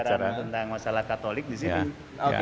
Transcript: tentang masalah katolik disini